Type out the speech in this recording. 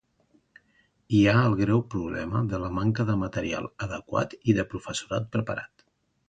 Hi ha el greu problema de la manca de material adequat i de professorat preparat.